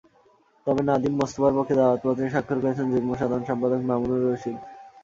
তবে নাদিম মোস্তফার পক্ষে দাওয়াতপত্রে স্বাক্ষর করেছেন যুগ্ম সাধারণ সম্পাদক মামুনুর রশীদ।